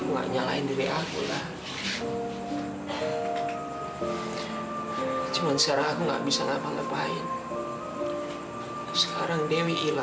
nggak ada dewi